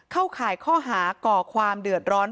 ข่ายข้อหาก่อความเดือดร้อน